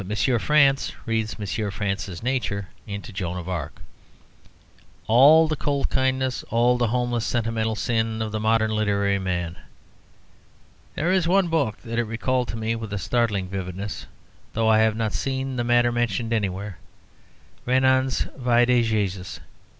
France read M. France's nature into Joan of Arc all the cold kindness, all the homeless sentimental sin of the modern literary man. There is one book that it recalled to me with startling vividness, though I have not seen the matter mentioned anywhere; Renan's "Vie de Jésus."